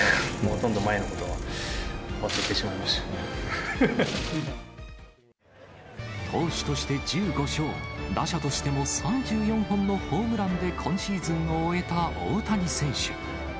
ほとんど前のことは、忘れてしま投手として１５勝、打者としても３４本のホームランで今シーズンを終えた大谷選手。